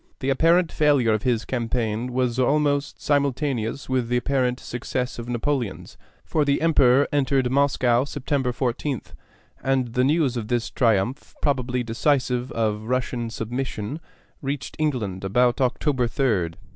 The apparent failure of his campaign was almost simultaneous with the apparent success of Napoleon's; for the Emperor entered Moscow September 14th, and the news of this triumph, probably decisive of Russian submission, reached England about October 3d.